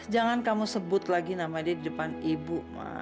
jangan kamu sebut lagi nama dia di depan ibu